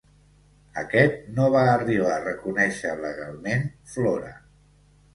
Aquest no va arribar a reconèixer legalment Flora.